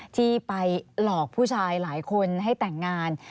ที่ไปหลอกผู้ชายหลายคนให้แต่งงาน